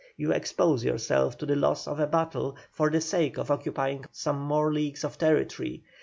You expose yourself to the loss of a battle for the sake of occupying some more leagues of territory.